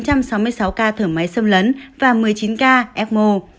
một trăm sáu mươi sáu ca thở máy xâm lấn và một mươi chín ca fmo